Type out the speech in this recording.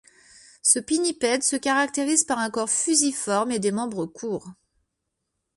Ce pinnipède se caractérise par un corps fusiforme et des membres courts.